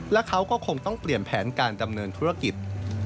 และเขาก็คงต้องเปลี่ยนแผนการดำเนินธุรกิจ